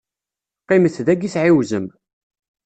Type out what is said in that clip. Qqimet dagi tɛiwzem.